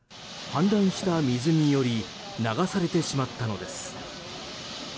氾濫した水により流されてしまったのです。